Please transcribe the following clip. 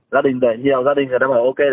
gia đình đợi nhiều gia đình người ta gọi ok